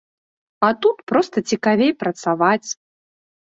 А тут проста цікавей працаваць.